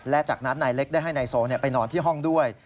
และจากนั้นนายเล็กได้ให้นายโซไปนอนที่ห้องด้วย